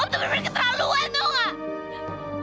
om tuh bener bener keterlaluan tahu nggak